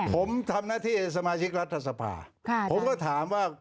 ผมทำหน้าที่สมาชิกรัฐสภาผมก็ถามว่า